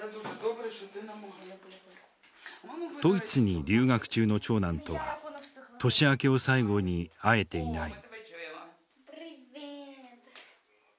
ドイツに留学中の長男とは年明けを最後に会えていない。